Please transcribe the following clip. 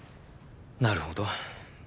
なるほど。